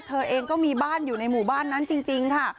เธอเองก็มีบ้านอยู่ในหมู่บ้านนั้นจริงค่ะ